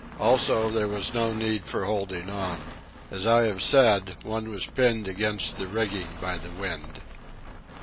Also, there was no need for holding on. As I have said, one was pinned against the rigging by the wind.